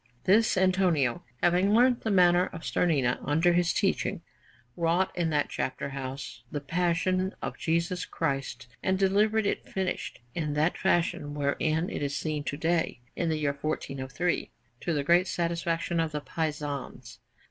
This Antonio, having learnt the manner of Starnina under his teaching, wrought in that chapter house the Passion of Jesus Christ, and delivered it finished in that fashion wherein it is seen to day, in the year 1403, to the great satisfaction of the Pisans.